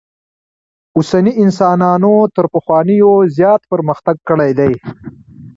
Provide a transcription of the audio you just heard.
اوسني انسانانو تر پخوانیو زیات پرمختک کړی دئ.